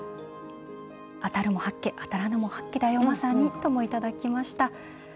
「当たるも八卦当たらぬも八卦だよ、まさに」ともいただきました。